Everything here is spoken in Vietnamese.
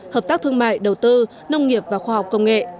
hợp tác thương mại đầu tư nông nghiệp và khoa học công nghệ